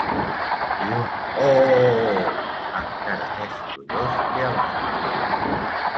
I un «oooh!» encara més sorollós que abans.